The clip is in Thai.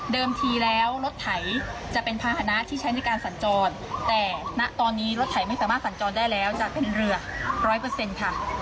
ทีแล้วรถไถจะเป็นภาษณะที่ใช้ในการสัญจรแต่ณตอนนี้รถไถไม่สามารถสัญจรได้แล้วจะเป็นเรือร้อยเปอร์เซ็นต์ค่ะ